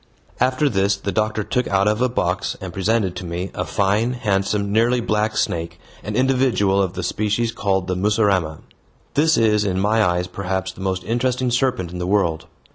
After this the doctor took out of a box and presented to me a fine, handsome, nearly black snake, an individual of the species called the mussurama. This is in my eyes perhaps the most interesting serpent in the world.